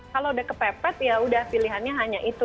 kalau udah kepepet ya udah pilihannya hanya itu